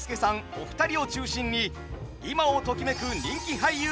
お二人を中心に今をときめく人気俳優が勢ぞろい。